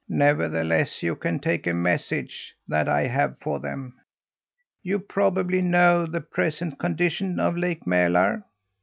"Nevertheless, you can take a message that I have for them. You probably know the present condition of Lake Mälar?